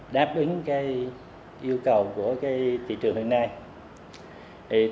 đáp ứng yêu cầu của thị trường hôm nay